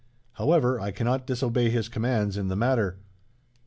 However, I cannot disobey his commands in the matter."